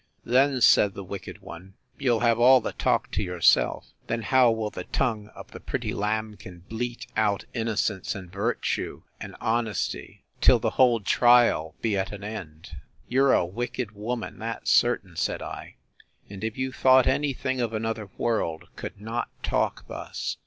—Then, said the wicked one, you'll have all the talk to yourself!—Then how will the tongue of the pretty lambkin bleat out innocence, and virtue, and honesty, till the whole trial be at an end!—You're a wicked woman, that's certain, said I; and if you thought any thing of another world, could not talk thus.